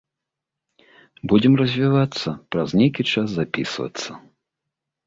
Будзем развівацца, праз нейкі час запісвацца.